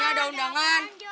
ini ada undangan